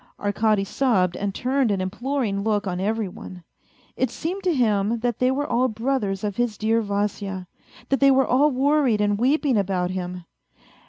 Arkady sobbed and turned an imploring look on every one. It seemed to him that they were all brothers of his dear Vasya, that they were all worried and weeping about him.